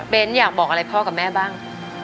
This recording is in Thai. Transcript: เป็นอยากบอกอะไรพ่อกับแม่บ้าง